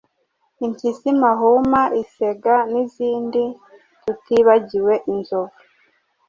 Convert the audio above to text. impyisi mahuma, isega n’izindi, tutibagiwe inzovu,